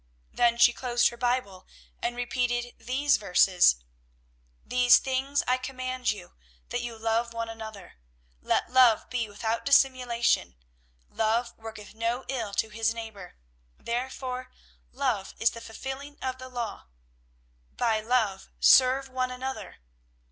'" Then she closed her Bible and repeated these verses: "'These things I command you, That you love one another. Let love be without dissimulation. Love worketh no ill to his neighbor; therefore love is the fulfilling of the law. By love serve one another.